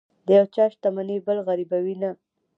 د یو چا شتمني بل غریبوي نه.